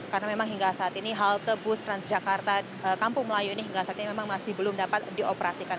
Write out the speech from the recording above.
karena memang hingga saat ini halte bus transjakarta kampung melayu ini hingga saat ini memang masih belum dapat dioperasikan